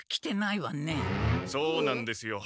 そうなんですよ。